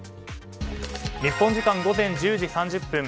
日本時間、午前１０時３０分。